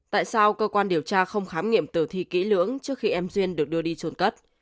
tại sao cơ quan điều tra không khám nghiệm tử thi kỹ lưỡng trước khi em duyên được đưa đi trồn cất